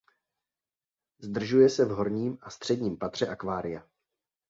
Zdržuje se v horním a středním patře akvária.